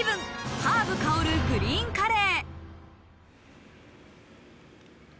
ハーブ香るグリーンカレー」。